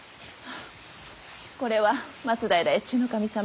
これは松平越中守様。